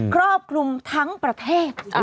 ครอบคลุมทั้งประเทศ